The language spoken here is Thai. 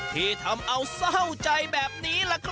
ที่ทำเอาเศร้าใจแบบนี้ล่ะครับ